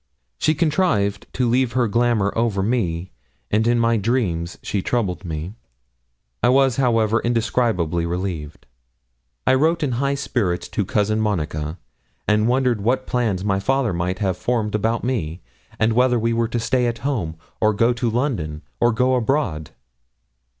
She contrived to leave her glamour over me, and in my dreams she troubled me. I was, however, indescribably relieved. I wrote in high spirits to Cousin Monica; and wondered what plans my father might have formed about me, and whether we were to stay at home, or go to London, or go abroad.